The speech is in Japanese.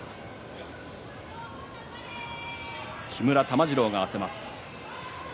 木村玉治郎が合わせます。